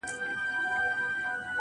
ستا د ښايستې خولې ښايستې خبري,